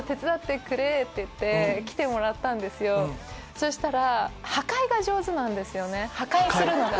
そしたら。